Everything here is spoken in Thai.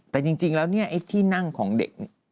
แต่จริงแล้วนี่ไอ้ที่นั่งของเด็ก